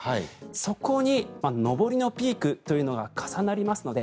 そこに上りのピークというのが重なりますので